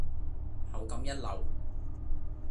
口感一流